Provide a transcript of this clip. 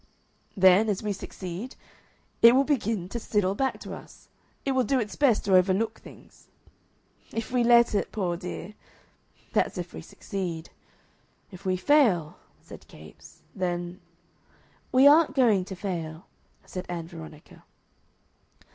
"Then, as we succeed, it will begin to sidle back to us. It will do its best to overlook things " "If we let it, poor dear." "That's if we succeed. If we fail," said Capes, "then " "We aren't going to fail," said Ann Veronica.